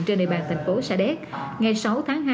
trên địa bàn thành phố sa đéc ngày sáu tháng hai